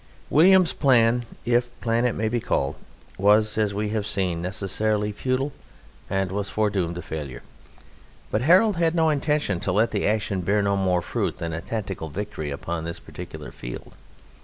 William's plan (if plan it may be called) was, as we have seen, necessarily futile and was foredoomed to failure. But Harold had no intention to let the action bear no more fruit than a tactical victory upon this particular field.